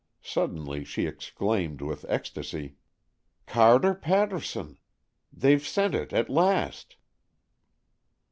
Suddenly she exclaimed with ecstasy :" Carter Paterson ! They've sent it at last."